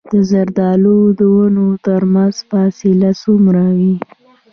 د زردالو د ونو ترمنځ فاصله څومره وي؟